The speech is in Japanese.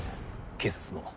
警察も。